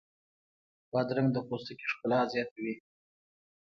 بادرنګ د پوستکي ښکلا زیاتوي.